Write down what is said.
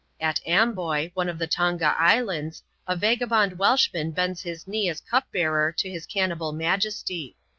At Amboi, one of the Tonga Islands^ a vagabond Welshman bends his knee as cupbearer to his cannibal majesty.